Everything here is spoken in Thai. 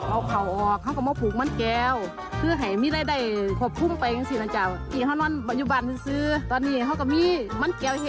เอาเข่าออกเขาก็มาปลูกมันแก้วเพื่อให้ไม่ได้ขบพุ่งไปกันสินะจ๊ะ